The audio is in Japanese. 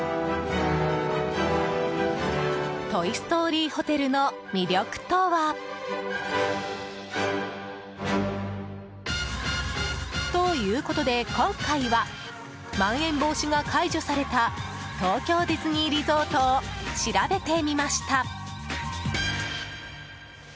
トイ・ストーリーホテルの魅力とは？ということで今回はまん延防止が解除された東京ディズニーリゾートを調べてみました。